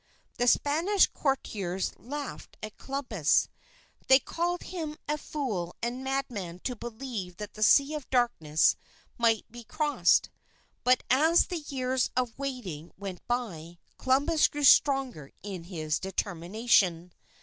The Spanish courtiers laughed at Columbus; they called him a fool and madman to believe that the Sea of Darkness might be crossed. But as the years of waiting went by, Columbus grew stronger in his determination.